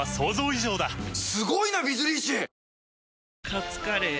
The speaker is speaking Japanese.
カツカレー？